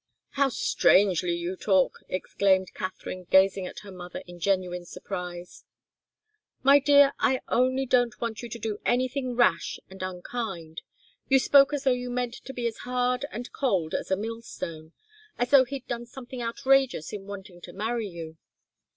"How strangely you talk!" exclaimed Katharine, gazing at her mother in genuine surprise. "My dear, I only don't want you to do anything rash and unkind. You spoke as though you meant to be as hard and cold as a mill stone as though he'd done something outrageous in wanting to marry you."